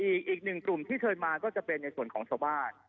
อีกหนึ่งกลุ่มที่เชิญมาก็จะเป็นในส่วนของชาวบ้าน